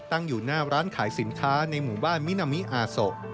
ตั้งอยู่หน้าร้านขายสินค้าในหมู่บ้านมินามิอาโส